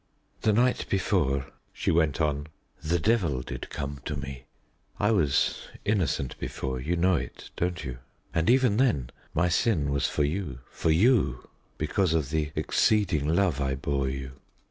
"The night before," she went on, "the devil did come to me. I was innocent before you know it, don't you? And even then my sin was for you for you because of the exceeding love I bore you.